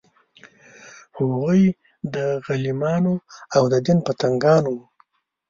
هغوی د غلمانو او د دین پتنګان وو.